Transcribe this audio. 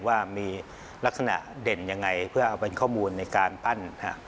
ว่ามีลักษณะเด่นยังไงเพื่อเอาเป็นข้อมูลในการปั้น